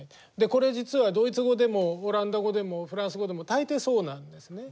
これ実はドイツ語でもオランダ語でもフランス語でも大抵そうなんですね。